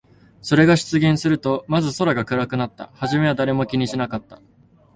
それが出現すると、まず空が暗くなった。はじめは誰も気にしなかった。